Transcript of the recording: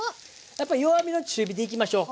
やっぱり弱火の中火でいきましょう。